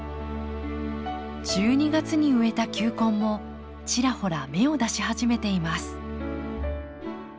１２月に植えた球根もちらほら芽を出し始めています。